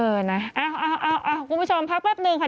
นะเอาคุณผู้ชมพักแป๊บนึงค่ะ